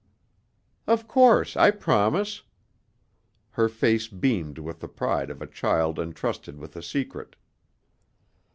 "Of course, I promise." Her face beamed with the pride of a child entrusted with a secret.